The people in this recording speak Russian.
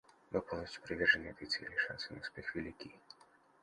Мы полностью привержены этой цели, шансы на успех велики.